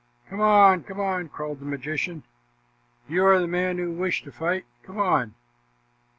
"Come on, come on," called the magician. "You are the man who wished to fight. Come on."